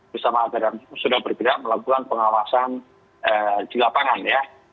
bersama agar sudah bergerak melakukan pengawasan di lapangan ya